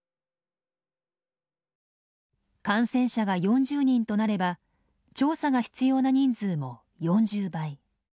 感染者が４０人となれば調査が必要な人数も４０倍。